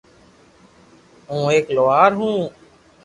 ھون ايڪ لوھار ھون